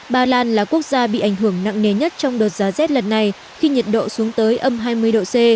bà lan là quốc gia bị ảnh hưởng nặng nề nhất trong đợt giá rét lần này khi nhiệt độ xuống tới âm hai mươi độ c